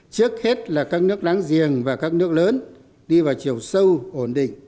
trước hết là các nước láng giềng và các nước lớn đi vào chiều sâu ổn định